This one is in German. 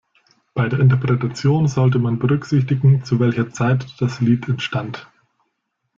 Bei der Interpretation sollte man berücksichtigen, zu welcher Zeit das Lied entstand.